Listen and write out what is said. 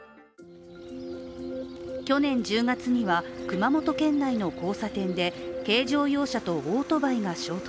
去年１０月には、熊本県内の交差点で軽乗用車とオートバイが衝突。